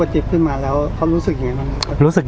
พี่ชอบจริงบอกว่าชอบทุก